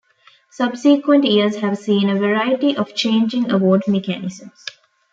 Subsequent years have seen a variety of changing award mechanisms.